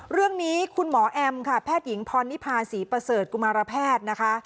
เรื่องนี้คุณหมอแอมค่ะแพทย์หญิงพรนิพาศรีประเสริฐกุมารแพทย์นะคะ